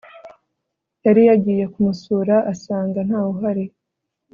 yari yagiye kumusura asanga ntawuhari